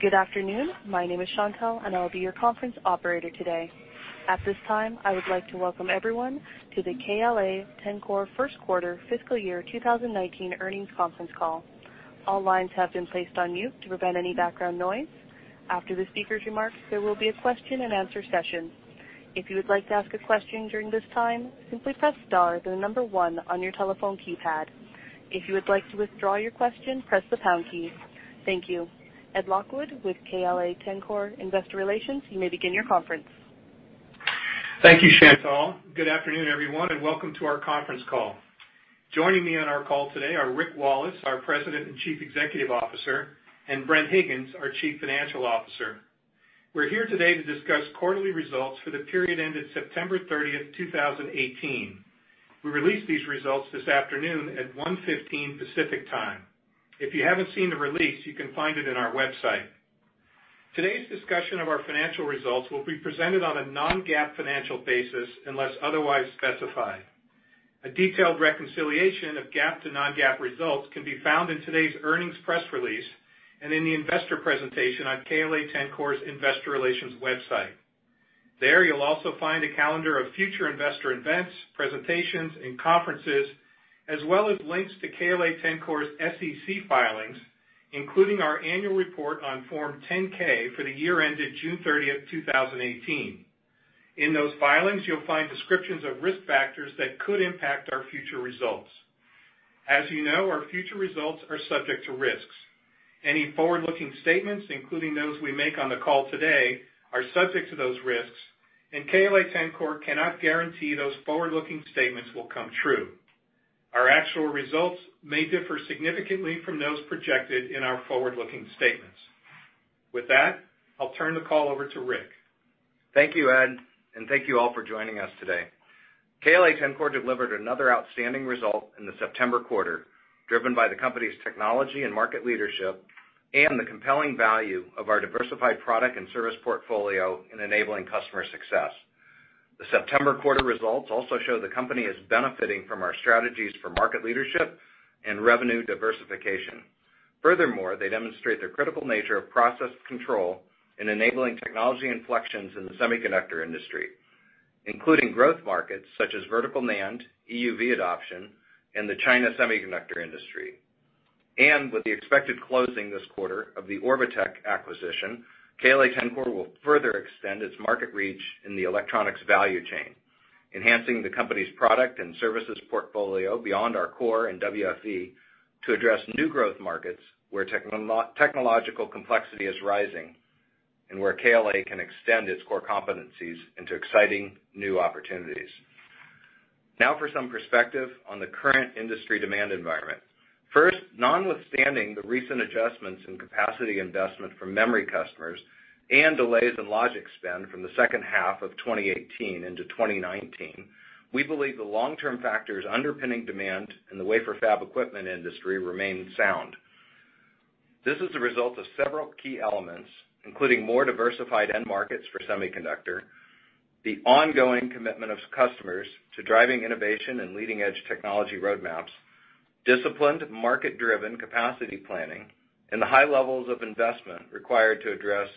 Good afternoon. My name is Chantelle, and I'll be your conference operator today. At this time, I would like to welcome everyone to the KLA-Tencor first quarter fiscal year 2019 earnings conference call. All lines have been placed on mute to prevent any background noise. After the speaker's remarks, there will be a question and answer session. If you would like to ask a question during this time, simply press star, then the number 1 on your telephone keypad. If you would like to withdraw your question, press the pound key. Thank you. Ed Lockwood with KLA-Tencor Investor Relations, you may begin your conference. Thank you, Chantelle. Good afternoon, everyone, and welcome to our conference call. Joining me on our call today are Rick Wallace, our President and Chief Executive Officer, and Bren Higgins, our Chief Financial Officer. We're here today to discuss quarterly results for the period ended September 30th, 2018. We released these results this afternoon at 1:15 P.M. Pacific Time. If you haven't seen the release, you can find it on our website. Today's discussion of our financial results will be presented on a non-GAAP financial basis unless otherwise specified. A detailed reconciliation of GAAP to non-GAAP results can be found in today's earnings press release and in the investor presentation on KLA-Tencor's Investor Relations website. There, you'll also find a calendar of future investor events, presentations, and conferences, as well as links to KLA-Tencor's SEC filings, including our annual report on Form 10-K for the year ended June 30th, 2018. In those filings, you'll find descriptions of risk factors that could impact our future results. As you know, our future results are subject to risks. Any forward-looking statements, including those we make on the call today, are subject to those risks, and KLA-Tencor cannot guarantee those forward-looking statements will come true. Our actual results may differ significantly from those projected in our forward-looking statements. With that, I'll turn the call over to Rick. Thank you, Ed, and thank you all for joining us today. KLA-Tencor delivered another outstanding result in the September quarter, driven by the company's technology and market leadership and the compelling value of our diversified product and service portfolio in enabling customer success. The September quarter results also show the company is benefiting from our strategies for market leadership and revenue diversification. Furthermore, they demonstrate the critical nature of process control in enabling technology inflections in the semiconductor industry, including growth markets such as vertical NAND, EUV adoption, and the China semiconductor industry. With the expected closing this quarter of the Orbotech acquisition, KLA-Tencor will further extend its market reach in the electronics value chain, enhancing the company's product and services portfolio beyond our core and WFE to address new growth markets where technological complexity is rising and where KLA can extend its core competencies into exciting new opportunities. Now for some perspective on the current industry demand environment. First, notwithstanding the recent adjustments in capacity investment from memory customers and delays in logic spend from the second half of 2018 into 2019, we believe the long-term factors underpinning demand in the wafer fab equipment industry remain sound. This is a result of several key elements, including more diversified end markets for semiconductor, the ongoing commitment of customers to driving innovation and leading-edge technology roadmaps, disciplined market-driven capacity planning, and the high levels of investment required to address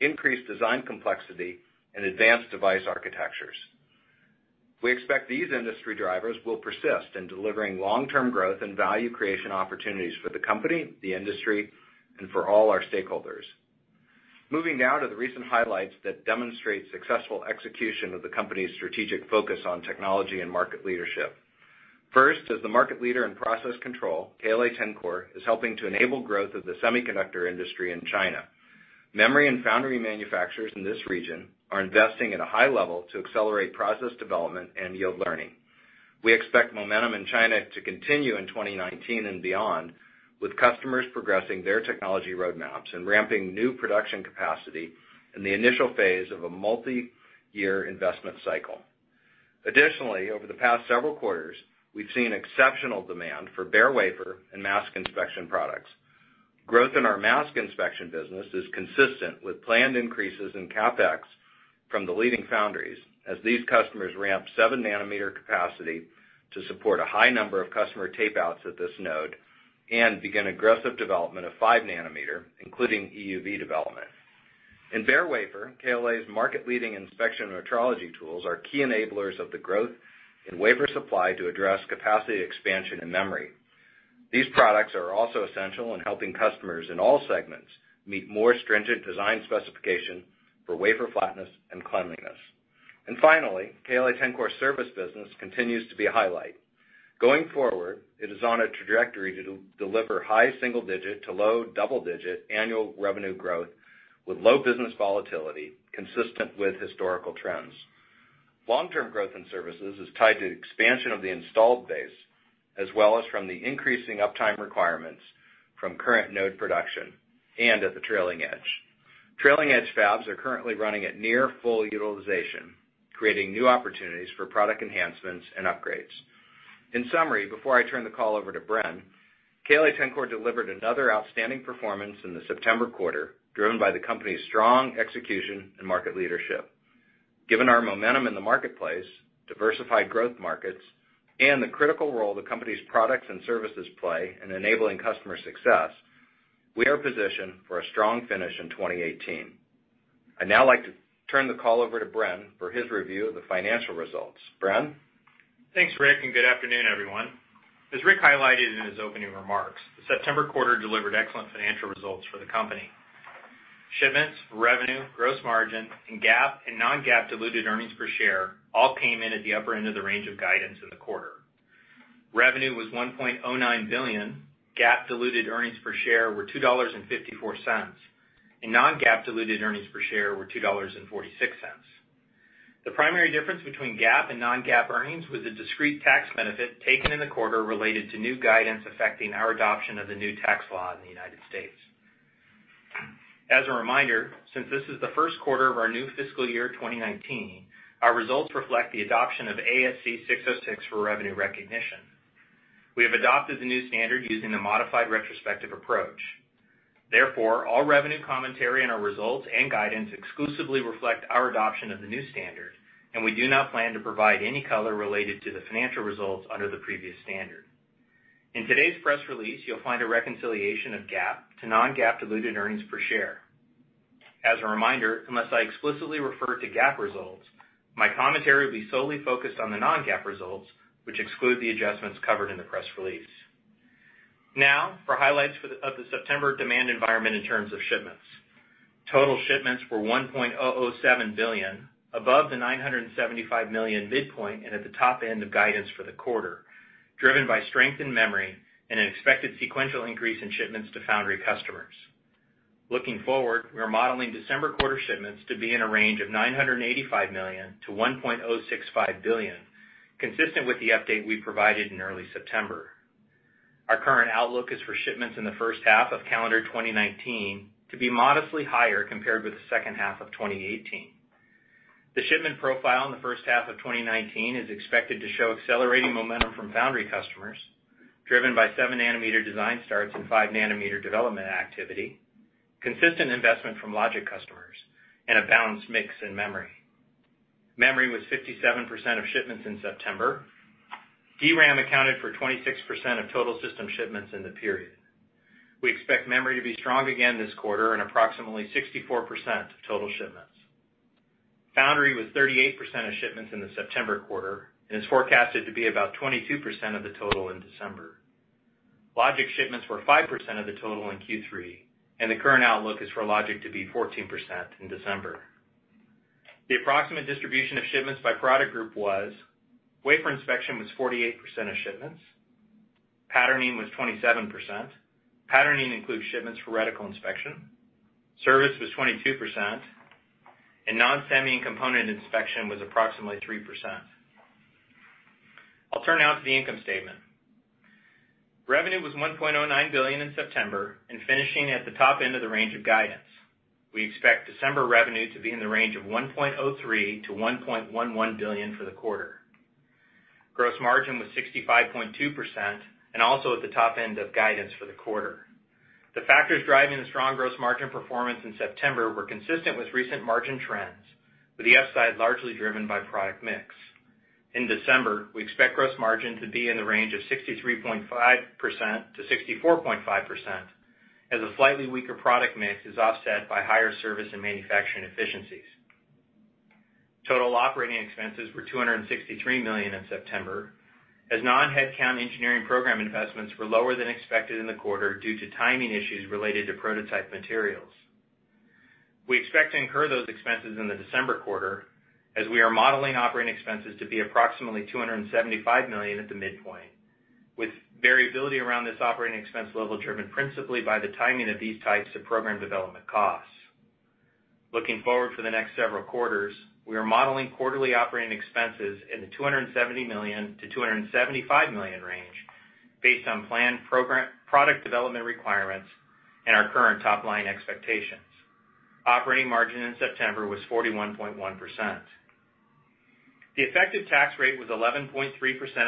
increased design complexity and advanced device architectures. We expect these industry drivers will persist in delivering long-term growth and value creation opportunities for the company, the industry, and for all our stakeholders. Moving now to the recent highlights that demonstrate successful execution of the company's strategic focus on technology and market leadership. First, as the market leader in process control, KLA-Tencor is helping to enable growth of the semiconductor industry in China. Memory and foundry manufacturers in this region are investing at a high level to accelerate process development and yield learning. We expect momentum in China to continue in 2019 and beyond, with customers progressing their technology roadmaps and ramping new production capacity in the initial phase of a multi-year investment cycle. Additionally, over the past several quarters, we've seen exceptional demand for bare wafer and mask inspection products. Growth in our mask inspection business is consistent with planned increases in CapEx from the leading foundries as these customers ramp seven-nanometer capacity to support a high number of customer tape-outs at this node and begin aggressive development of five nanometer, including EUV development. In bare wafer, KLA's market-leading inspection metrology tools are key enablers of the growth in wafer supply to address capacity expansion and memory. These products are also essential in helping customers in all segments meet more stringent design specification for wafer flatness and cleanliness. Finally, KLA-Tencor service business continues to be a highlight. Going forward, it is on a trajectory to deliver high single digit to low double digit annual revenue growth with low business volatility consistent with historical trends. Long-term growth in services is tied to expansion of the installed base, as well as from the increasing uptime requirements from current node production and at the trailing edge. Trailing edge fabs are currently running at near full utilization, creating new opportunities for product enhancements and upgrades. In summary, before I turn the call over to Bren, KLA-Tencor delivered another outstanding performance in the September quarter, driven by the company's strong execution and market leadership. Given our momentum in the marketplace, diversified growth markets, and the critical role the company's products and services play in enabling customer success, we are positioned for a strong finish in 2018. I'd now like to turn the call over to Bren for his review of the financial results. Bren? Thanks, Rick. Good afternoon, everyone. As Rick highlighted in his opening remarks, the September quarter delivered excellent financial results for the company. Shipments, revenue, gross margin, GAAP and non-GAAP diluted earnings per share all came in at the upper end of the range of guidance in the quarter. Revenue was $1.09 billion, GAAP diluted earnings per share were $2.54, and non-GAAP diluted earnings per share were $2.46. The primary difference between GAAP and non-GAAP earnings was the discrete tax benefit taken in the quarter related to new guidance affecting our adoption of the new tax law in the U.S. As a reminder, since this is the first quarter of our new fiscal year 2019, our results reflect the adoption of ASC 606 for revenue recognition. We have adopted the new standard using the modified retrospective approach. All revenue commentary on our results and guidance exclusively reflect our adoption of the new standard, and we do not plan to provide any color related to the financial results under the previous standard. In today's press release, you'll find a reconciliation of GAAP to non-GAAP diluted earnings per share. As a reminder, unless I explicitly refer to GAAP results, my commentary will be solely focused on the non-GAAP results, which exclude the adjustments covered in the press release. Now, for highlights of the September demand environment in terms of shipments. Total shipments were $1.007 billion, above the $975 million midpoint, and at the top end of guidance for the quarter, driven by strength in memory and an expected sequential increase in shipments to foundry customers. Looking forward, we are modeling December quarter shipments to be in a range of $985 million-$1.065 billion, consistent with the update we provided in early September. Our current outlook is for shipments in the first half of calendar 2019 to be modestly higher compared with the second half of 2018. The shipment profile in the first half of 2019 is expected to show accelerating momentum from foundry customers, driven by seven-nanometer design starts and five-nanometer development activity, consistent investment from logic customers, and a balanced mix in memory. Memory was 57% of shipments in September. DRAM accounted for 26% of total system shipments in the period. We expect memory to be strong again this quarter in approximately 64% of total shipments. Foundry was 38% of shipments in the September quarter, and is forecasted to be about 22% of the total in December. Logic shipments were 5% of the total in Q3, and the current outlook is for logic to be 14% in December. The approximate distribution of shipments by product group was: wafer inspection was 48% of shipments, patterning was 27%, patterning includes shipments for reticle inspection, service was 22%, and non-semi and component inspection was approximately 3%. I'll turn now to the income statement. Revenue was $1.09 billion in September, and finishing at the top end of the range of guidance. We expect December revenue to be in the range of $1.03 billion-$1.11 billion for the quarter. Gross margin was 65.2%, and also at the top end of guidance for the quarter. The factors driving the strong gross margin performance in September were consistent with recent margin trends, with the upside largely driven by product mix. In December, we expect gross margin to be in the range of 63.5%-64.5%, as a slightly weaker product mix is offset by higher service and manufacturing efficiencies. Total operating expenses were $263 million in September, as non-headcount engineering program investments were lower than expected in the quarter due to timing issues related to prototype materials. We expect to incur those expenses in the December quarter, as we are modeling operating expenses to be approximately $275 million at the midpoint, with variability around this operating expense level driven principally by the timing of these types of program development costs. Looking forward for the next several quarters, we are modeling quarterly operating expenses in the $270 million-$275 million range based on planned product development requirements and our current top-line expectations. Operating margin in September was 41.1%. The effective tax rate was 11.3%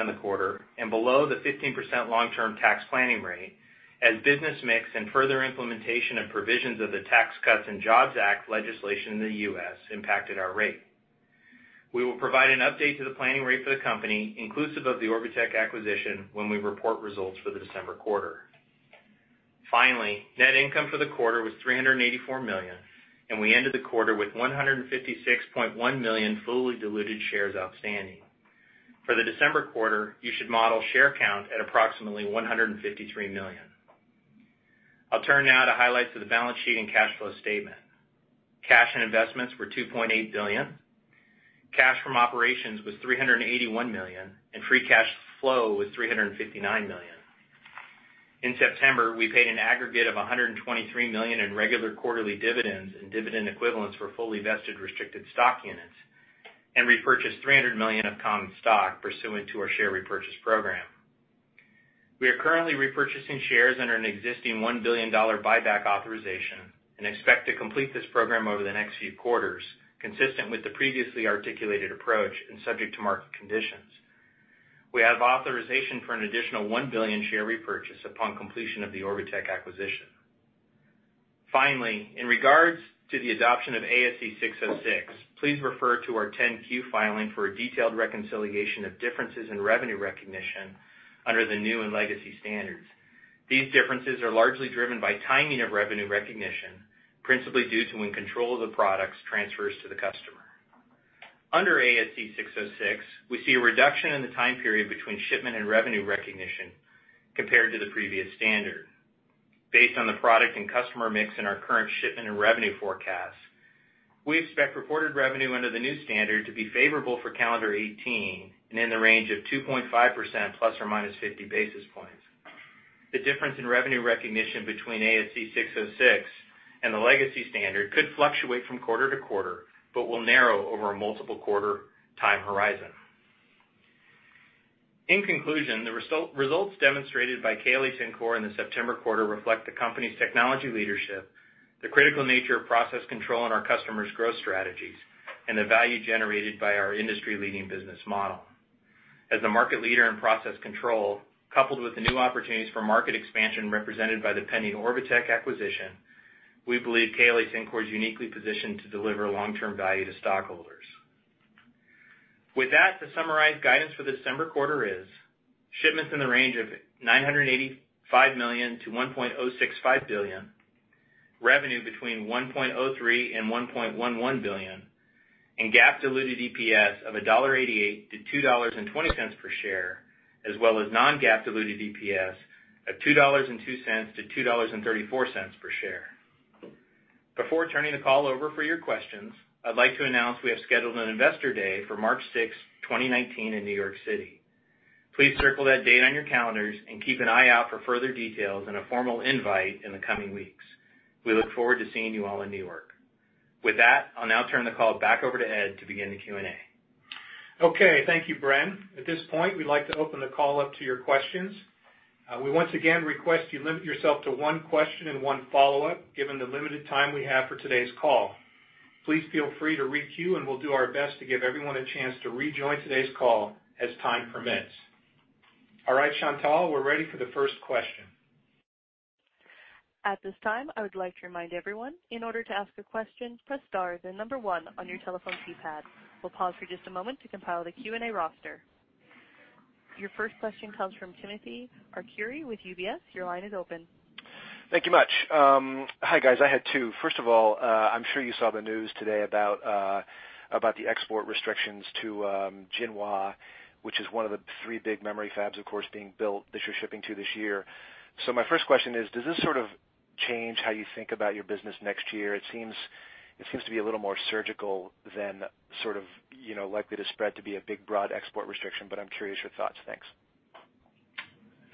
in the quarter, and below the 15% long-term tax planning rate, as business mix and further implementation of provisions of the Tax Cuts and Jobs Act legislation in the U.S. impacted our rate. We will provide an update to the planning rate for the company, inclusive of the Orbotech acquisition, when we report results for the December quarter. Finally, net income for the quarter was $384 million, and we ended the quarter with 156.1 million fully diluted shares outstanding. For the December quarter, you should model share count at approximately 153 million. I'll turn now to highlights of the balance sheet and cash flow statement. Cash and investments were $2.8 billion. Cash from operations was $381 million, and free cash flow was $359 million. In September, we paid an aggregate of $123 million in regular quarterly dividends and dividend equivalents for fully vested restricted stock units, and repurchased $300 million of common stock pursuant to our share repurchase program. We are currently repurchasing shares under an existing $1 billion buyback authorization, and expect to complete this program over the next few quarters, consistent with the previously articulated approach, and subject to market conditions. We have authorization for an additional $1 billion share repurchase upon completion of the Orbotech acquisition. Finally, in regards to the adoption of ASC 606, please refer to our 10-Q filing for a detailed reconciliation of differences in revenue recognition under the new and legacy standards. These differences are largely driven by timing of revenue recognition, principally due to when control of the products transfers to the customer. Under ASC 606, we see a reduction in the time period between shipment and revenue recognition compared to the previous standard. Based on the product and customer mix in our current shipment and revenue forecast, we expect reported revenue under the new standard to be favorable for calendar 2018, and in the range of 2.5%, ±50 basis points. The difference in revenue recognition between ASC 606 and the legacy standard could fluctuate from quarter to quarter, but will narrow over a multiple quarter time horizon. In conclusion, the results demonstrated by KLA-Tencor in the September quarter reflect the company's technology leadership, the critical nature of process control on our customers' growth strategies, and the value generated by our industry-leading business model. As the market leader in process control, coupled with the new opportunities for market expansion represented by the pending Orbotech acquisition, we believe KLA-Tencor is uniquely positioned to deliver long-term value to stockholders. With that, the summarized guidance for the December quarter is shipments in the range of $985 million to $1.065 billion, revenue between $1.03 billion and $1.11 billion, and GAAP diluted EPS of $1.88 to $2.20 per share, as well as non-GAAP diluted EPS of $2.02 to $2.34 per share. Before turning the call over for your questions, I'd like to announce we have scheduled an investor day for March 6th, 2019 in New York City. Please circle that date on your calendars and keep an eye out for further details and a formal invite in the coming weeks. We look forward to seeing you all in New York. With that, I'll now turn the call back over to Ed to begin the Q&A. Okay. Thank you, Bren. At this point, we'd like to open the call up to your questions. We once again request you limit yourself to one question and one follow-up, given the limited time we have for today's call. Please feel free to re-queue, and we'll do our best to give everyone a chance to rejoin today's call as time permits. All right, Chantelle, we're ready for the first question. At this time, I would like to remind everyone, in order to ask a question, press star, then number one on your telephone keypad. We'll pause for just a moment to compile the Q&A roster. Your first question comes from Timothy Arcuri with UBS. Your line is open. Thank you much. Hi, guys. I had two. First of all, I'm sure you saw the news today about the export restrictions to Jinhua, which is one of the three big memory fabs, of course, being built that you're shipping to this year. My first question is, does this sort of change how you think about your business next year? It seems to be a little more surgical than likely to spread to be a big, broad export restriction, but I'm curious your thoughts. Thanks.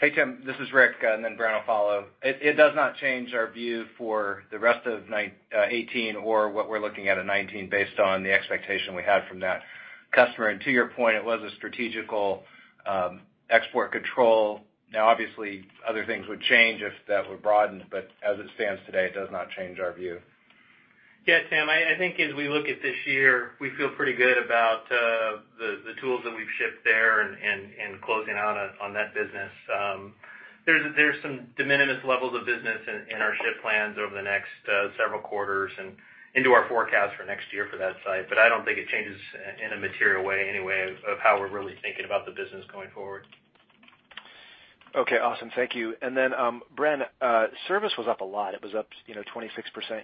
Hey, Tim. This is Rick, and then Bren will follow. It does not change our view for the rest of 2018 or what we're looking at in 2019 based on the expectation we had from that customer. To your point, it was a strategical export control. Obviously, other things would change if that were broadened, but as it stands today, it does not change our view. Yeah, Tim, I think as we look at this year, we feel pretty good about the tools that we've shipped there and closing out on that business. There's some de minimis levels of business in our ship plans over the next several quarters and into our forecast for next year for that site. I don't think it changes in a material way, anyway, of how we're really thinking about the business going forward. Okay, awesome. Thank you. Then, Bren, service was up a lot. It was up 26%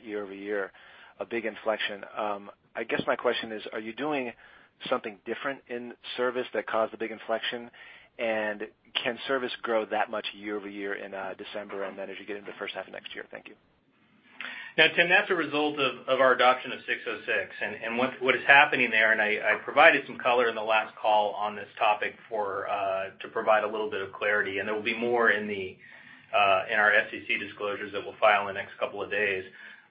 year-over-year, a big inflection. I guess my question is, are you doing something different in service that caused the big inflection? Can service grow that much year-over-year in December and then as you get into the first half of next year? Thank you. Tim, that's a result of our adoption of 606 and what is happening there. I provided some color in the last call on this topic to provide a little bit of clarity. There will be more in our SEC disclosures that we'll file in the next couple of days.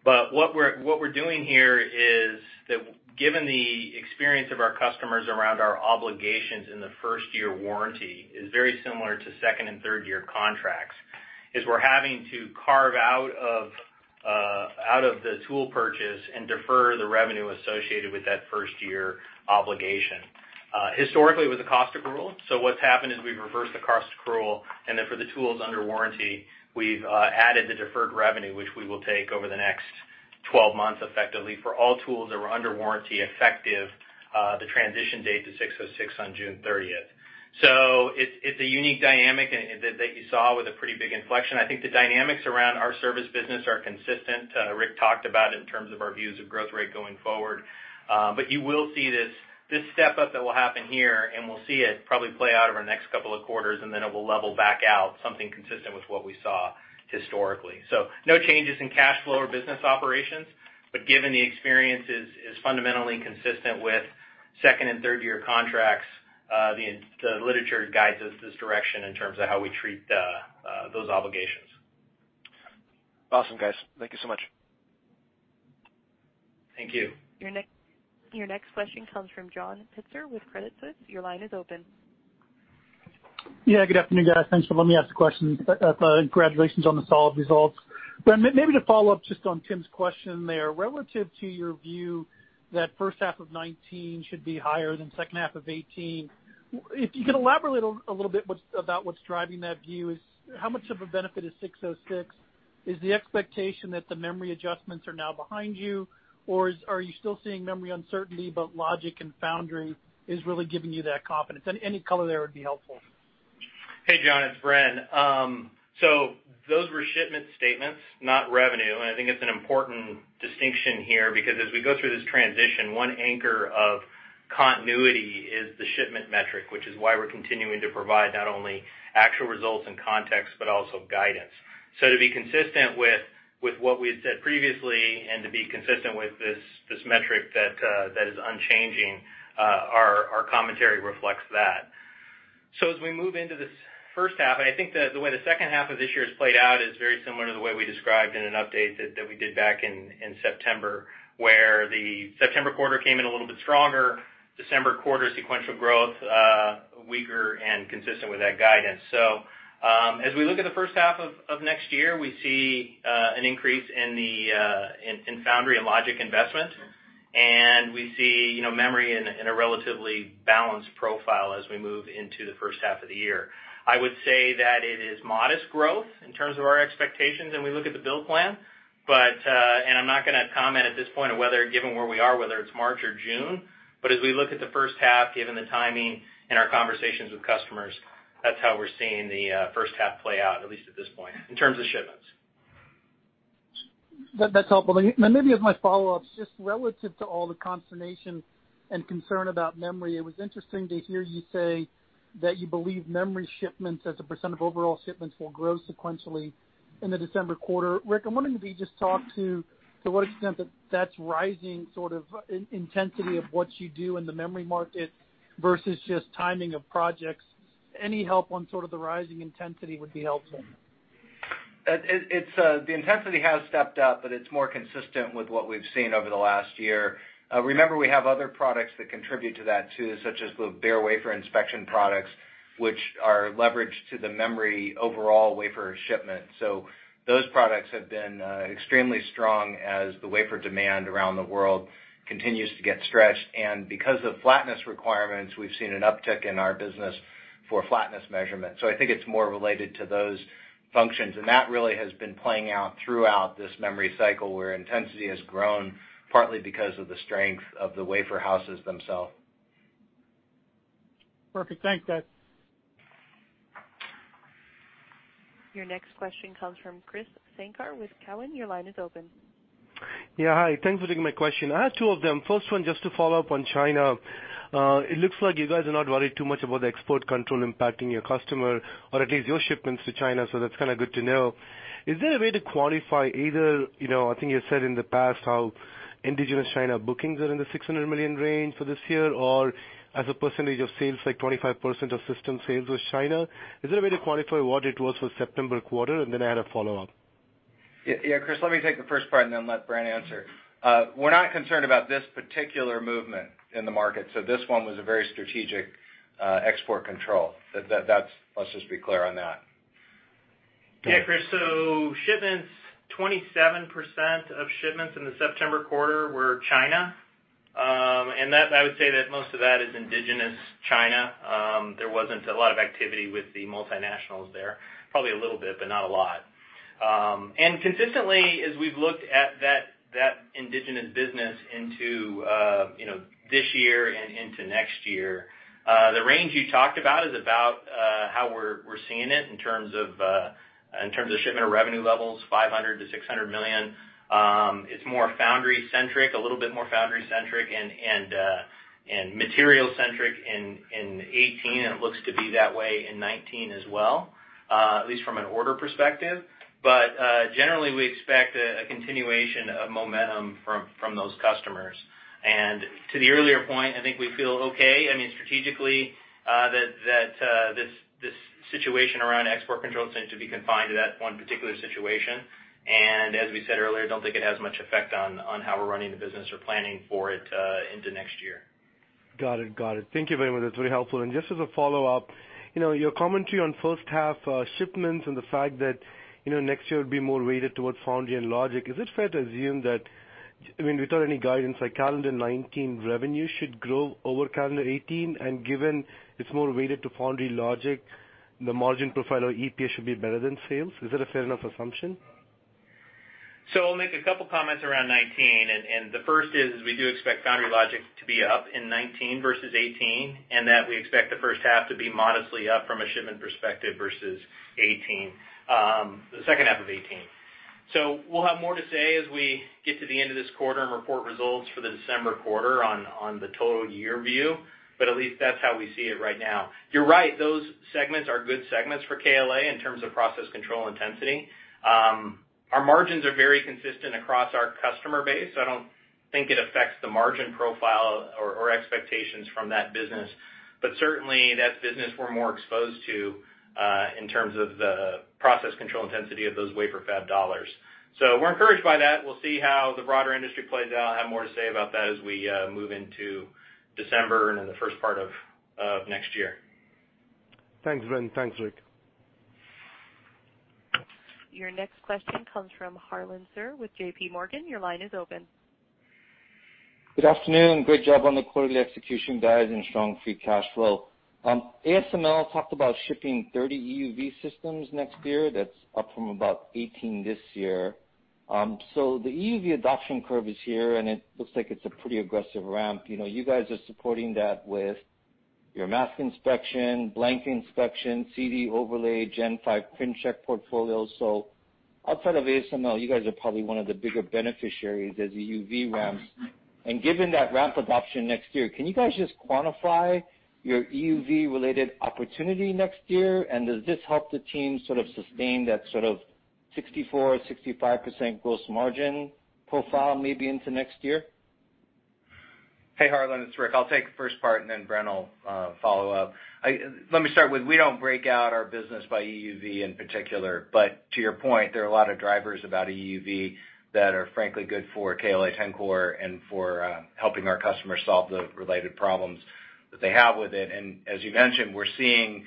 What we're doing here is that given the experience of our customers around our obligations in the first-year warranty is very similar to second and third-year contracts, is we're having to carve out of the tool purchase and defer the revenue associated with that first-year obligation. Historically, it was a cost accrual. What's happened is we've reversed the cost accrual. Then for the tools under warranty, we've added the deferred revenue, which we will take over the next 12 months, effectively, for all tools that were under warranty effective the transition date to 606 on June 30th. It's a unique dynamic that you saw with a pretty big inflection. I think the dynamics around our service business are consistent. Rick talked about it in terms of our views of growth rate going forward. You will see this step-up that will happen here. We'll see it probably play out over the next couple of quarters. Then it will level back out, something consistent with what we saw historically. No changes in cash flow or business operations, but given the experience is fundamentally consistent with second and third-year contracts, the literature guides us this direction in terms of how we treat those obligations. Awesome, guys. Thank you so much. Thank you. Your next question comes from John Pitzer with Credit Suisse. Your line is open. Good afternoon, guys. Thanks for letting me ask a question. Congratulations on the solid results. Bren, maybe to follow up just on Tim's question there. Relative to your view that first half of 2019 should be higher than second half of 2018, if you could elaborate a little bit about what's driving that view is? How much of a benefit is 606? Is the expectation that the memory adjustments are now behind you, or are you still seeing memory uncertainty, but logic and foundry is really giving you that confidence? Any color there would be helpful. Hey, John, it's Bren. Those were shipment statements, not revenue, and I think it's an important distinction here, because as we go through this transition, one anchor of continuity is the shipment metric, which is why we're continuing to provide not only actual results and context, but also guidance. To be consistent with what we had said previously and to be consistent with this metric that is unchanging, our commentary reflects that. As we move into this first half, I think the way the second half of this year has played out is very similar to the way we described in an update that we did back in September, where the September quarter came in a little bit stronger, December quarter sequential growth weaker and consistent with that guidance. As we look at the first half of next year, we see an increase in foundry and logic investment, and we see memory in a relatively balanced profile as we move into the first half of the year. I would say that it is modest growth in terms of our expectations. We look at the bill plan. I'm not going to comment at this point of whether, given where we are, whether it's March or June. As we look at the first half, given the timing and our conversations with customers, that's how we're seeing the first half play out, at least at this point in terms of shipments. That's helpful. Maybe as my follow-ups, just relative to all the consternation and concern about memory, it was interesting to hear you say that you believe memory shipments as a percent of overall shipments will grow sequentially in the December quarter. Rick, I'm wondering if you could just talk to what extent that's rising sort of intensity of what you do in the memory market versus just timing of projects. Any help on sort of the rising intensity would be helpful. The intensity has stepped up, but it's more consistent with what we've seen over the last year. Remember, we have other products that contribute to that too, such as the bare wafer inspection products, which are leveraged to the memory overall wafer shipment. Those products have been extremely strong as the wafer demand around the world continues to get stretched. Because of flatness requirements, we've seen an uptick in our business for flatness measurement. I think it's more related to those functions, and that really has been playing out throughout this memory cycle, where intensity has grown partly because of the strength of the wafer houses themselves. Perfect. Thanks, guys. Your next question comes from Krish Sankar with Cowen. Your line is open. Yeah. Hi. Thanks for taking my question. I have two of them. First one, just to follow up on China. It looks like you guys are not worried too much about the export control impacting your customer or at least your shipments to China, that's kind of good to know. Is there a way to quantify either, I think you said in the past how indigenous China bookings are in the $600 million range for this year, or as a percentage of sales, like 25% of system sales with China. Is there a way to quantify what it was for September quarter? Then I had a follow-up. Krish, let me take the first part and then let Bren answer. We're not concerned about this particular movement in the market, this one was a very strategic export control. Let's just be clear on that. Krish. 27% of shipments in the September quarter were China. I would say that most of that is indigenous China. There wasn't a lot of activity with the multinationals there. Probably a little bit, but not a lot. Consistently, as we've looked at that indigenous business into this year and into next year, the range you talked about is about how we're seeing it in terms of shipment or revenue levels, $500 million-$600 million. It's more foundry-centric, a little bit more foundry-centric and material-centric in 2018, and it looks to be that way in 2019 as well, at least from an order perspective. Generally, we expect a continuation of momentum from those customers. To the earlier point, I think we feel okay, strategically, that this situation around export controls seems to be confined to that one particular situation. As we said earlier, don't think it has much effect on how we're running the business or planning for it into next year. Got it. Thank you very much. That's very helpful. Just as a follow-up, your commentary on first half shipments and the fact that next year would be more weighted towards foundry and logic. Is it fair to assume that, without any guidance, calendar 2019 revenue should grow over calendar 2018? Given it's more weighted to foundry logic, the margin profile or EPS should be better than sales. Is that a fair enough assumption? I'll make a couple comments around 2019. The first is we do expect foundry logic to be up in 2019 versus 2018, and that we expect the first half to be modestly up from a shipment perspective versus the second half of 2018. We'll have more to say as we get to the end of this quarter and report results for the December quarter on the total year view. But at least that's how we see it right now. You're right, those segments are good segments for KLA in terms of process control intensity. Our margins are very consistent across our customer base. I don't think it affects the margin profile or expectations from that business. Certainly that's business we're more exposed to, in terms of the process control intensity of those wafer fab dollars. We're encouraged by that. We'll see how the broader industry plays out. I'll have more to say about that as we move into December and in the first part of next year. Thanks, Bren. Thanks, Rick. Your next question comes from Harlan Sur with J.P. Morgan. Your line is open. Good afternoon. Great job on the quarterly execution, guys, and strong free cash flow. ASML talked about shipping 30 EUV systems next year. That's up from about 18 this year. The EUV adoption curve is here, and it looks like it's a pretty aggressive ramp. You guys are supporting that with your mask inspection, blank inspection, CD overlay, Gen 5 print check portfolio. Outside of ASML, you guys are probably one of the bigger beneficiaries as EUV ramps. Given that ramp adoption next year, can you guys just quantify your EUV-related opportunity next year? Does this help the team sort of sustain that sort of 64%, 65% gross margin profile maybe into next year? Hey, Harlan, it's Rick. I'll take the first part, and then Bren will follow up. We don't break out our business by EUV in particular. To your point, there are a lot of drivers about EUV that are frankly good for KLA-Tencor and for helping our customers solve the related problems that they have with it. As you mentioned, we're seeing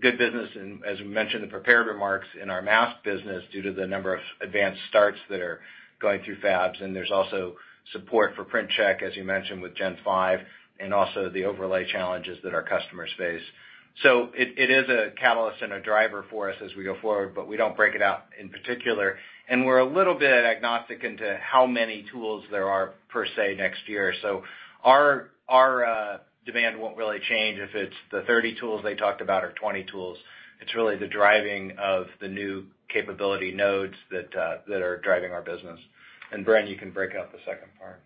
good business, as we mentioned in the prepared remarks, in our mask business due to the number of advanced starts that are going through fabs. There's also support for print check, as you mentioned, with Gen 5, and also the overlay challenges that our customers face. It is a catalyst and a driver for us as we go forward, but we don't break it out in particular. We're a little bit agnostic into how many tools there are per se next year. Our demand won't really change if it's the 30 tools they talked about or 20 tools. It's really the driving of the new capability nodes that are driving our business. Bren, you can break out the second part.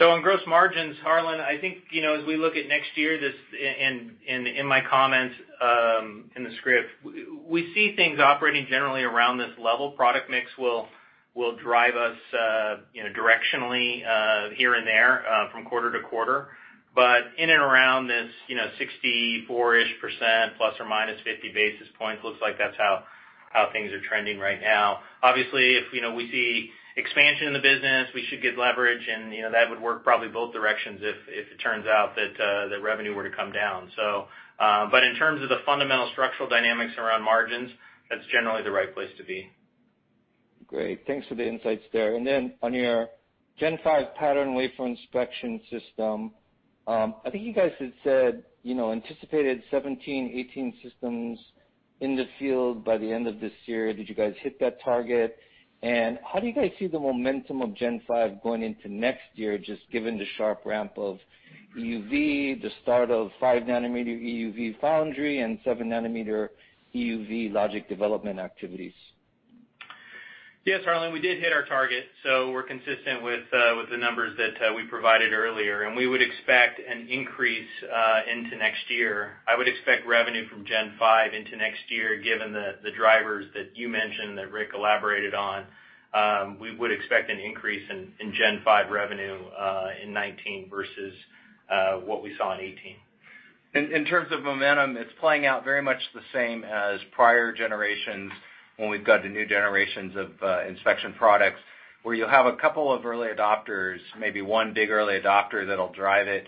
On gross margins, Harlan, I think, as we look at next year, in my comments in the script, we see things operating generally around this level. Product mix will drive us directionally here and there from quarter to quarter. In and around this 64-ish% plus or minus 50 basis points, looks like that's how things are trending right now. Obviously, if we see expansion in the business, we should get leverage, and that would work probably both directions if it turns out that the revenue were to come down. In terms of the fundamental structural dynamics around margins, that's generally the right place to be. On your Gen 5 patterned wafer inspection system, I think you guys had said, anticipated 17, 18 systems in the field by the end of this year. Did you guys hit that target? How do you guys see the momentum of Gen 5 going into next year, just given the sharp ramp of EUV, the start of five-nanometer EUV foundry, and seven-nanometer EUV logic development activities? Yes, Harlan, we did hit our target. We're consistent with the numbers that we provided earlier. We would expect an increase into next year. I would expect revenue from Gen 5 into next year, given the drivers that you mentioned, that Rick elaborated on. We would expect an increase in Gen 5 revenue in 2019 versus what we saw in 2018. In terms of momentum, it's playing out very much the same as prior generations when we've got the new generations of inspection products where you'll have a couple of early adopters, maybe one big early adopter that'll drive it.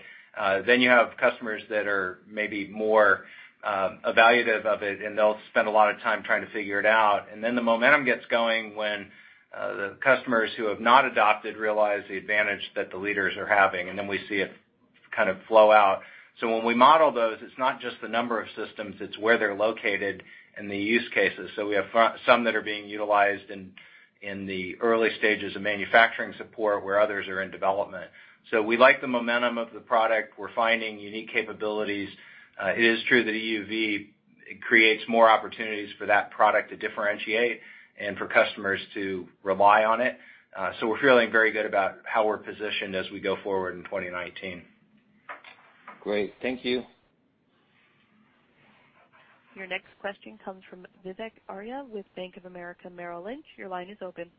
You have customers that are maybe more evaluative of it, and they'll spend a lot of time trying to figure it out. The momentum gets going when the customers who have not adopted realize the advantage that the leaders are having. We see it kind of flow out. When we model those, it's not just the number of systems, it's where they're located and the use cases. We have some that are being utilized in the early stages of manufacturing support where others are in development. We like the momentum of the product. We're finding unique capabilities. It is true that EUV creates more opportunities for that product to differentiate and for customers to rely on it. We're feeling very good about how we're positioned as we go forward in 2019. Great. Thank you. Your next question comes from Vivek Arya with Bank of America Merrill Lynch. Your line is open.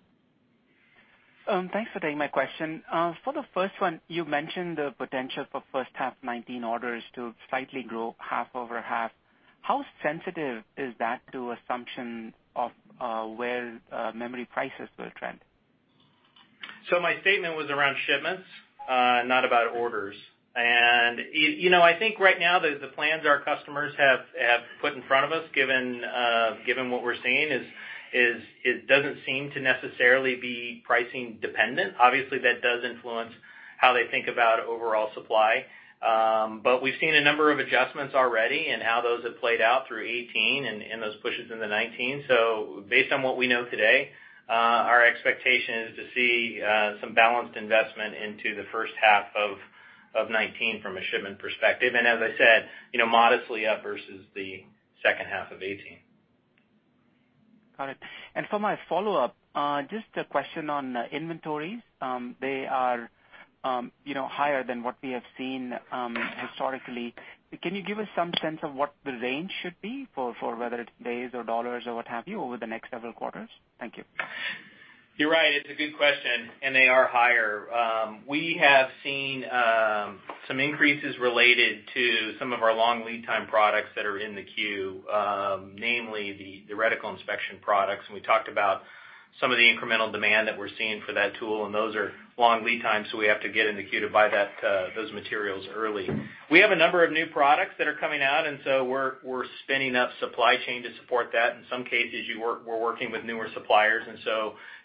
Thanks for taking my question. For the first one, you mentioned the potential for first half 2019 orders to slightly grow half-over-half. How sensitive is that to assumption of where memory prices will trend? My statement was around shipments, not about orders. I think right now the plans our customers have put in front of us, given what we're seeing, it doesn't seem to necessarily be pricing dependent. Obviously, that does influence how they think about overall supply. We've seen a number of adjustments already and how those have played out through 2018 and those pushes into 2019. Based on what we know today, our expectation is to see some balanced investment into the first half of 2019 from a shipment perspective. As I said, modestly up versus the second half of 2018. Got it. For my follow-up, just a question on inventories. They are higher than what we have seen historically. Can you give us some sense of what the range should be for whether it's days or dollars or what have you over the next several quarters? Thank you. You're right. It's a good question. They are higher. We have seen some increases related to some of our long lead time products that are in the queue, namely the reticle inspection products. We talked about some of the incremental demand that we're seeing for that tool, those are long lead times, so we have to get in the queue to buy those materials early. We have a number of new products that are coming out, we're spinning up supply chain to support that. In some cases, we're working with newer suppliers,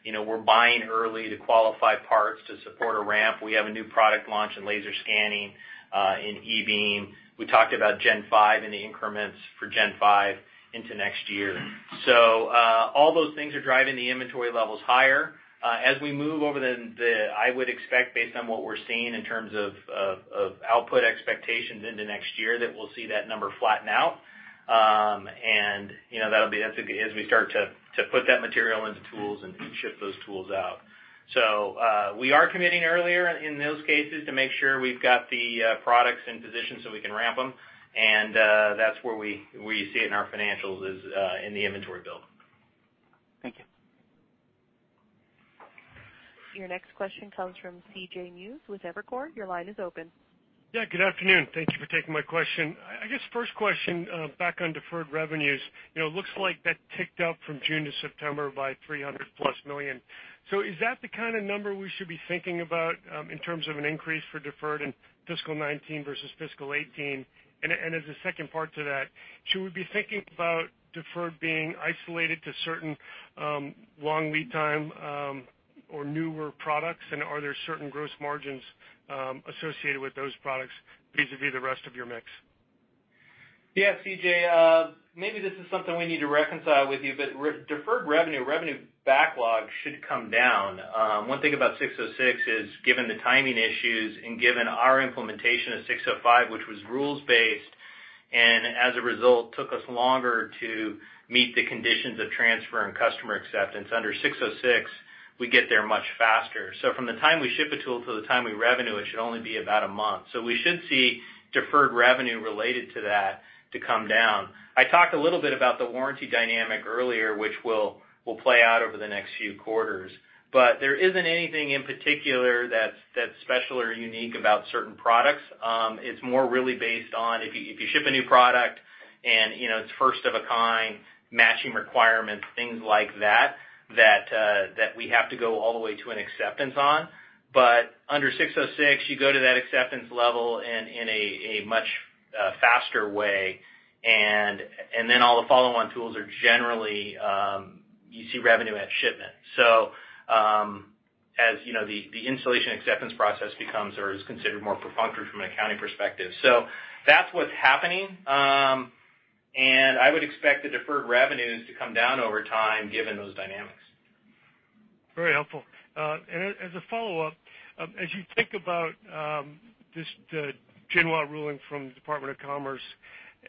we're buying early to qualify parts to support a ramp. We have a new product launch in laser scanning, in E-beam. We talked about Gen 5 and the increments for Gen 5 into next year. All those things are driving the inventory levels higher. I would expect based on what we're seeing in terms of output expectations into next year, that we'll see that number flatten out, as we start to put that material into tools and ship those tools out. We are committing earlier in those cases to make sure we've got the products in position so we can ramp them, that's where we see it in our financials is in the inventory build. Thank you. Your next question comes from C.J. Muse with Evercore. Your line is open. Yeah, good afternoon. Thank you for taking my question. I guess first question, back on deferred revenues. It looks like that ticked up from June to September by $300 million-plus. Is that the kind of number we should be thinking about in terms of an increase for deferred in fiscal 2019 versus fiscal 2018? As a second part to that, should we be thinking about deferred being isolated to certain long lead time or newer products? Are there certain gross margins associated with those products vis-a-vis the rest of your mix? Yeah, C.J., maybe this is something we need to reconcile with you, deferred revenue backlog should come down. One thing about 606 is, given the timing issues and given our implementation of 605, which was rules based, as a result, took us longer to meet the conditions of transfer and customer acceptance. Under 606, we get there much faster. From the time we ship a tool to the time we revenue it should only be about a month. We should see deferred revenue related to that to come down. I talked a little bit about the warranty dynamic earlier, which will play out over the next few quarters. There isn't anything in particular that's special or unique about certain products. It's more really based on if you ship a new product it's first of a kind, matching requirements, things like that we have to go all the way to an acceptance on. Under 606, you go to that acceptance level in a much faster way, then all the follow-on tools are generally, you see revenue at shipment. The installation acceptance process becomes or is considered more perfunctory from an accounting perspective. That's what's happening. I would expect the deferred revenues to come down over time given those dynamics. Very helpful. As a follow-up, as you think about this Jinhua ruling from the Department of Commerce,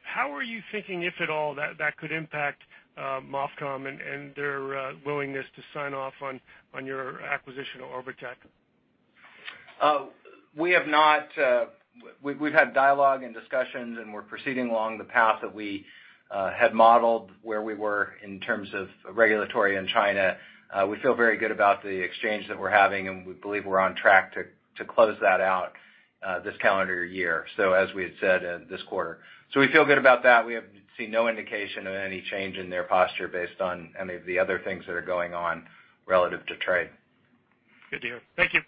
how are you thinking, if at all, that could impact MOFCOM and their willingness to sign off on your acquisition of Orbotech? We've had dialogue and discussions, we're proceeding along the path that we had modeled where we were in terms of regulatory in China. We feel very good about the exchange that we're having, and we believe we're on track to close that out this calendar year. As we had said this quarter. We feel good about that. We have seen no indication of any change in their posture based on any of the other things that are going on relative to trade. Good to hear. Thank you.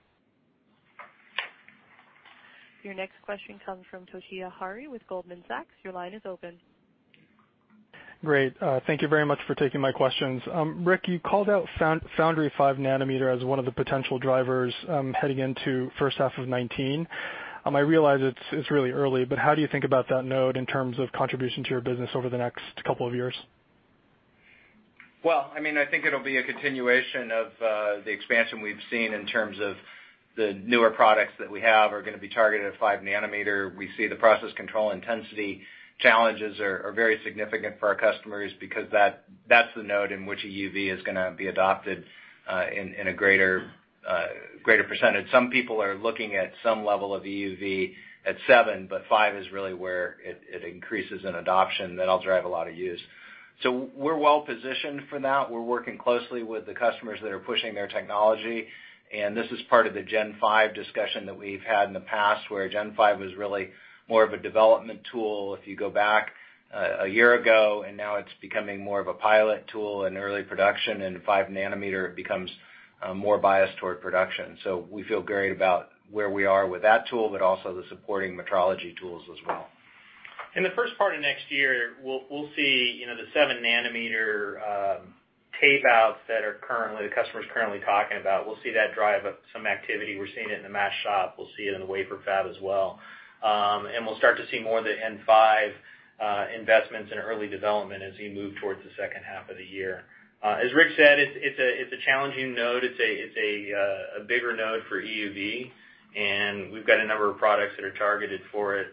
Your next question comes from Toshiya Hari with Goldman Sachs. Your line is open. Great. Thank you very much for taking my questions. Rick, you called out foundry five nanometer as one of the potential drivers heading into first half of 2019. I realize it's really early, but how do you think about that node in terms of contribution to your business over the next couple of years? Well, I think it'll be a continuation of the expansion we've seen in terms of the newer products that we have are going to be targeted at five nanometer. We see the process control intensity challenges are very significant for our customers because that's the node in which EUV is going to be adopted in a greater percentage. Some people are looking at some level of EUV at seven, but five is really where it increases in adoption. That'll drive a lot of use. We're well positioned for that. We're working closely with the customers that are pushing their technology. This is part of the Gen 5 discussion that we've had in the past, where Gen 5 was really more of a development tool if you go back a year ago, and now it's becoming more of a pilot tool in early production, and five nanometer becomes more biased toward production. We feel great about where we are with that tool, but also the supporting metrology tools as well. In the first part of next year, we'll see the seven-nanometer tapeouts that the customer's currently talking about. We'll see that drive up some activity. We're seeing it in the mask shop. We'll see it in the wafer fab as well. We'll start to see more of the N5 investments in early development as we move towards the second half of the year. As Rick said, it's a challenging node. It's a bigger node for EUV. We've got a number of products that are targeted for it.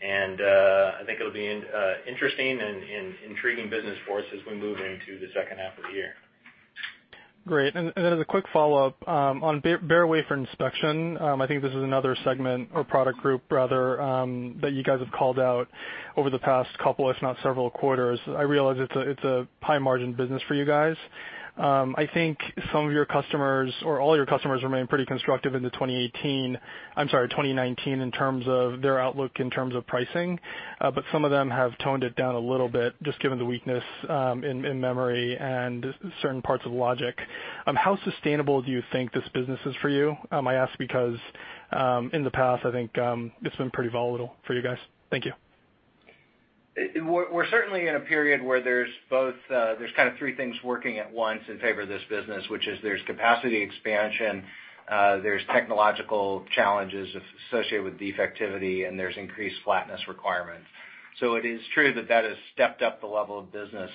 I think it'll be interesting and intriguing business for us as we move into the second half of the year. Great. As a quick follow-up, on bare wafer inspection, I think this is another segment or product group, rather, that you guys have called out over the past couple, if not several quarters. I realize it's a high-margin business for you guys. I think some of your customers or all your customers remain pretty constructive into 2018, I'm sorry, 2019 in terms of their outlook in terms of pricing. Some of them have toned it down a little bit just given the weakness in memory and certain parts of logic. How sustainable do you think this business is for you? I ask because, in the past, I think it's been pretty volatile for you guys. Thank you. We're certainly in a period where there's kind of three things working at once in favor of this business, which is there's capacity expansion, there's technological challenges associated with defectivity, and there's increased flatness requirements. It is true that has stepped up the level of business.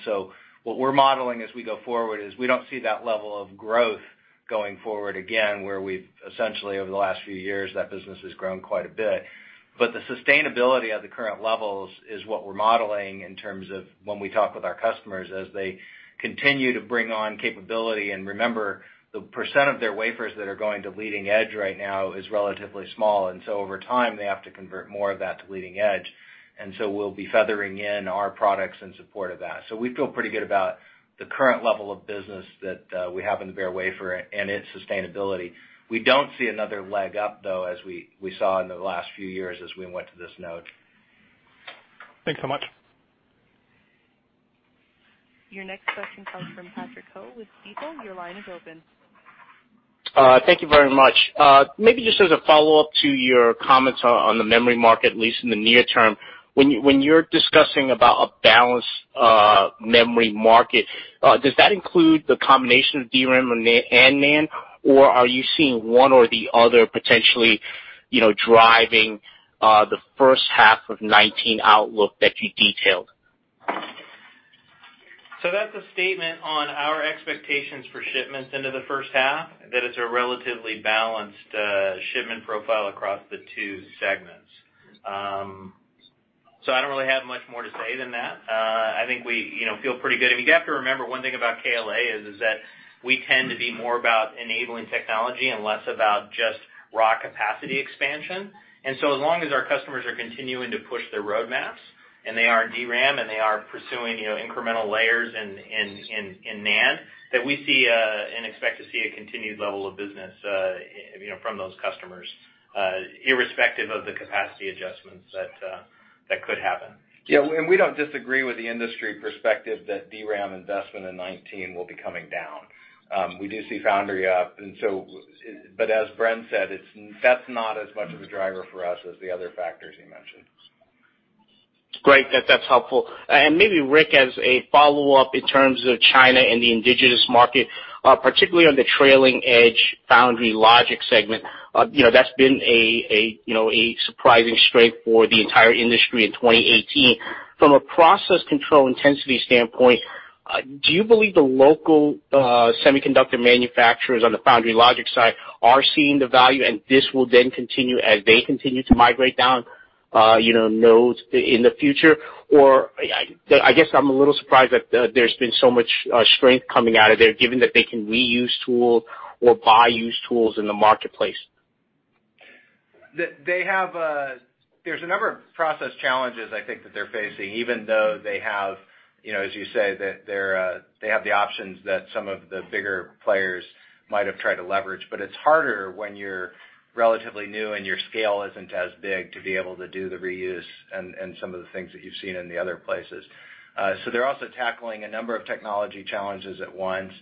What we're modeling as we go forward is we don't see that level of growth going forward again, where we've essentially, over the last few years, that business has grown quite a bit. The sustainability of the current levels is what we're modeling in terms of when we talk with our customers as they continue to bring on capability, and remember, the % of their wafers that are going to leading edge right now is relatively small, over time, they have to convert more of that to leading edge. We'll be feathering in our products in support of that. We feel pretty good about the current level of business that we have in the bare wafer and its sustainability. We don't see another leg up, though, as we saw in the last few years as we went to this node. Thanks so much. Your next question comes from Patrick Ho with BMO. Your line is open. Thank you very much. Maybe just as a follow-up to your comments on the memory market, at least in the near term, when you're discussing about a balanced memory market, does that include the combination of DRAM and NAND, or are you seeing one or the other potentially driving the first half of 2019 outlook that you detailed? That's a statement on our expectations for shipments into the first half, that it's a relatively balanced shipment profile across the two segments. I don't really have much more to say than that. I think we feel pretty good. You have to remember one thing about KLA is that we tend to be more about enabling technology and less about just raw capacity expansion. As long as our customers are continuing to push their roadmaps, and they are in DRAM, and they are pursuing incremental layers in NAND, that we see and expect to see a continued level of business from those customers, irrespective of the capacity adjustments that could happen. Yeah, we don't disagree with the industry perspective that DRAM investment in 2019 will be coming down. We do see foundry up, as Bren said, that's not as much of a driver for us as the other factors you mentioned. Great. That's helpful. Maybe, Rick, as a follow-up in terms of China and the indigenous market, particularly on the trailing edge foundry logic segment, that's been a surprising strength for the entire industry in 2018. From a process control intensity standpoint, do you believe the local semiconductor manufacturers on the foundry logic side are seeing the value, this will then continue as they continue to migrate down nodes in the future? I guess I'm a little surprised that there's been so much strength coming out of there, given that they can reuse tools or buy used tools in the marketplace. There's a number of process challenges I think that they're facing, even though they have, as you say, they have the options that some of the bigger players might have tried to leverage. It's harder when you're relatively new and your scale isn't as big to be able to do the reuse and some of the things that you've seen in the other places. They're also tackling a number of technology challenges at once.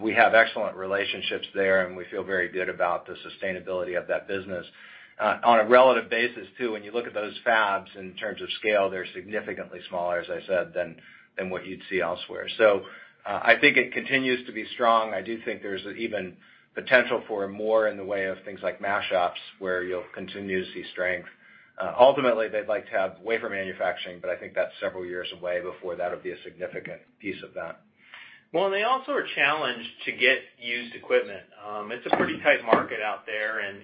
We have excellent relationships there, and we feel very good about the sustainability of that business. On a relative basis, too, when you look at those fabs in terms of scale, they're significantly smaller, as I said, than what you'd see elsewhere. I think it continues to be strong. I do think there's even potential for more in the way of things like mask shops, where you'll continue to see strength. Ultimately, they'd like to have wafer manufacturing, but I think that's several years away before that'll be a significant piece of that. They also are challenged to get used equipment. It's a pretty tight market out there, and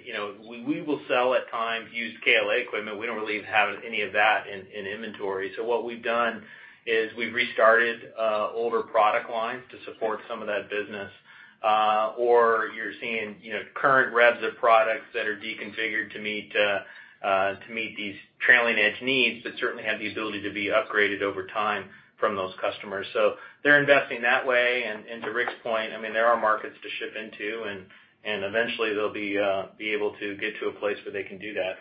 we will sell, at times, used KLA equipment. We don't really have any of that in inventory. What we've done is we've restarted older product lines to support some of that business. You're seeing current revs of products that are deconfigured to meet these trailing-edge needs that certainly have the ability to be upgraded over time from those customers. They're investing that way, and to Rick's point, there are markets to ship into, and eventually they'll be able to get to a place where they can do that.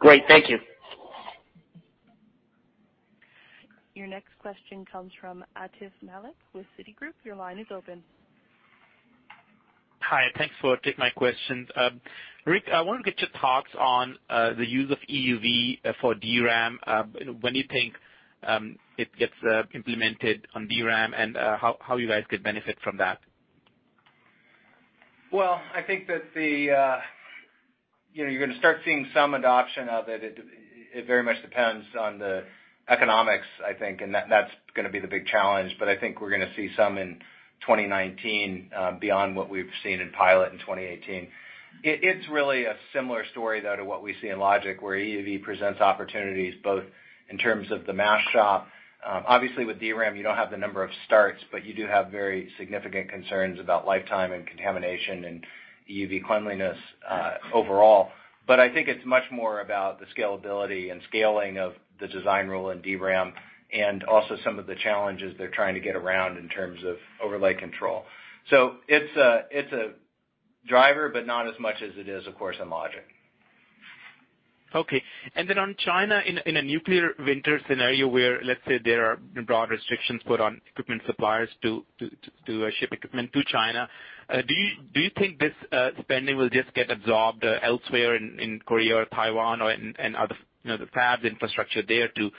Great. Thank you. Your next question comes from Atif Malik with Citigroup. Your line is open. Hi. Thanks for taking my questions. Rick, I want to get your thoughts on the use of EUV for DRAM, when you think it gets implemented on DRAM, and how you guys could benefit from that. Well, I think that you're going to start seeing some adoption of it. It very much depends on the economics, I think, and that's going to be the big challenge. I think we're going to see some in 2019, beyond what we've seen in pilot in 2018. It's really a similar story, though, to what we see in logic, where EUV presents opportunities both in terms of the mask shop. Obviously, with DRAM, you don't have the number of starts, but you do have very significant concerns about lifetime and contamination and EUV cleanliness overall. I think it's much more about the scalability and scaling of the design rule in DRAM and also some of the challenges they're trying to get around in terms of overlay control. It's a driver, but not as much as it is, of course, in logic. Okay. On China, in a nuclear winter scenario where, let's say, there are broad restrictions put on equipment suppliers to ship equipment to China, do you think this spending will just get absorbed elsewhere in Korea or Taiwan or in other fabs, infrastructure there to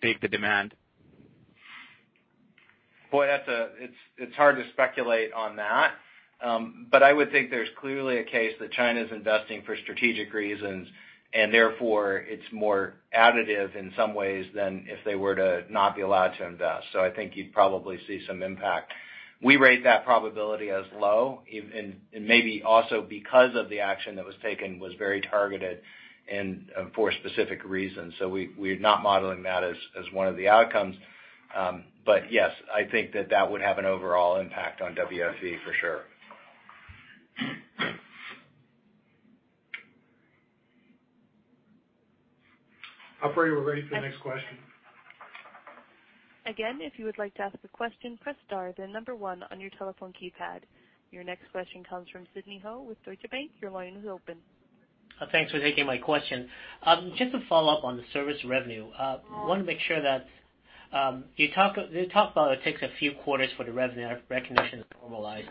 take the demand? Boy, it's hard to speculate on that. I would think there's clearly a case that China's investing for strategic reasons, and therefore, it's more additive in some ways than if they were to not be allowed to invest. I think you'd probably see some impact. We rate that probability as low, and maybe also because of the action that was taken was very targeted and for specific reasons. We're not modeling that as one of the outcomes. Yes, I think that that would have an overall impact on WFE, for sure. Operator, we're ready for the next question. If you would like to ask a question, press star, then number one on your telephone keypad. Your next question comes from Sidney Ho with Deutsche Bank. Your line is open. Thanks for taking my question. Just to follow up on the service revenue. I want to make sure that you talked about it takes a few quarters for the revenue recognition to normalize.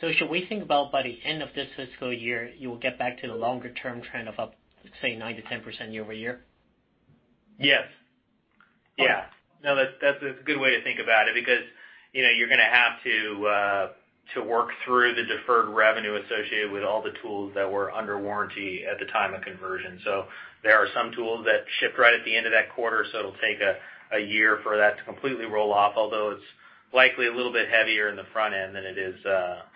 Should we think about by the end of this fiscal year, you will get back to the longer-term trend of up, say, 9%-10% year-over-year? Yes. That's a good way to think about it, because you're going to have to work through the deferred revenue associated with all the tools that were under warranty at the time of conversion. There are some tools that shipped right at the end of that quarter, so it'll take a year for that to completely roll off, although it's likely a little bit heavier in the front end than it is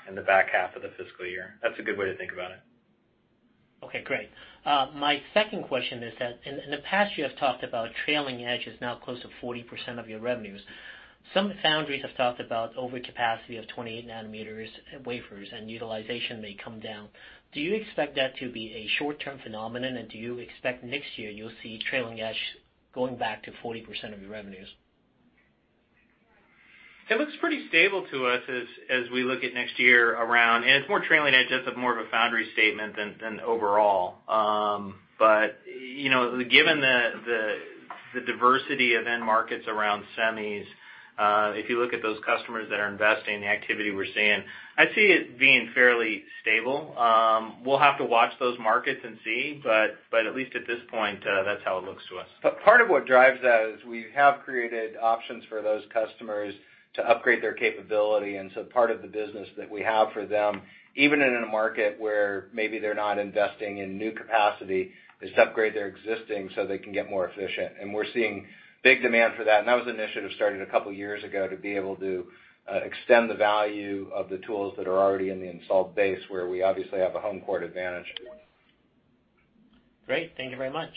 in the back half of the fiscal year. That's a good way to think about it. Okay, great. My second question is that in the past year, you have talked about trailing edge is now close to 40% of your revenues. Some foundries have talked about overcapacity of 28 nanometers wafers and utilization may come down. Do you expect that to be a short-term phenomenon, and do you expect next year you'll see trailing edge going back to 40% of your revenues? It looks pretty stable to us as we look at next year around, and it's more trailing edge, that's more of a foundry statement than overall. Given the diversity of end markets around semis, if you look at those customers that are investing, the activity we're seeing, I see it being fairly stable. We'll have to watch those markets and see, but at least at this point, that's how it looks to us. Part of what drives that is we have created options for those customers to upgrade their capability, and so part of the business that we have for them, even in a market where maybe they're not investing in new capacity, is upgrade their existing so they can get more efficient. We're seeing big demand for that. That was an initiative started a couple of years ago to be able to extend the value of the tools that are already in the installed base, where we obviously have a home court advantage. Great. Thank you very much.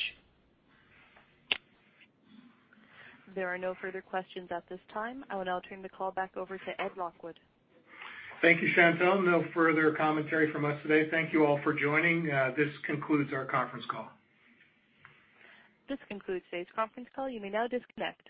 There are no further questions at this time. I will now turn the call back over to Ed Lockwood. Thank you, Chantelle. No further commentary from us today. Thank you all for joining. This concludes our conference call. This concludes today's conference call. You may now disconnect.